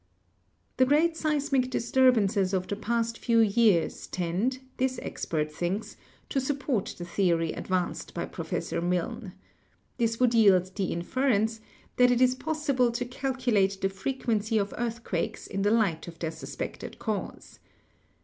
The great seismic disturbances of the past few years tend, this expert thinks, to support the theory advanced by Professor Milne. This would yield the inference that it is possible to calculate the frequency of earthquakes in the light of their suspected cause.